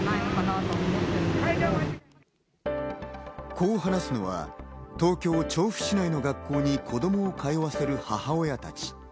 こう話すのは東京・調布市内の学校に子供を通わせる母親たち。